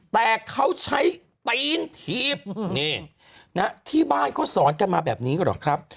แต่เขาใช้ตีนถีบนี่ที่บ้านเขาสอนกันมาแบบนี้หรอครับ